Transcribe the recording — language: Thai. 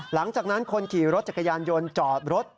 หลังจากนั้นคนขี่รถจักรยานยนต์จอดรถ